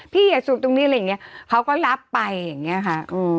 อย่าสูบตรงนี้อะไรอย่างนี้เขาก็รับไปอย่างนี้ค่ะ